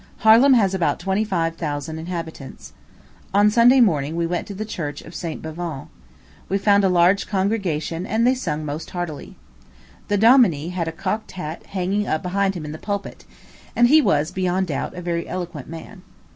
Harlem has about twenty fire thousand inhabitants. On Sunday morning we went to the Church of St. Bavon. We found a large congregation, and they sung most heartily. The dominie had a cocked hat hanging up behind him in the pulpit; and he was, beyond doubt, a very eloquent man.